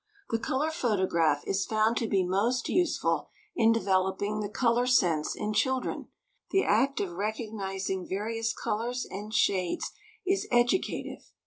The color photograph is found to be most useful in developing the color sense in children. The act of recognizing various colors and shades is educative.